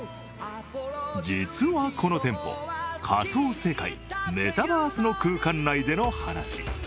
実はこの店舗、仮想世界メタバースの空間内での話。